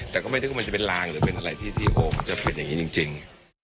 แต่ก็ไม่นึกว่ามันจะเป็นลางหรือเป็นอะไรที่โอ้มันจะเป็นอย่างนี้จริง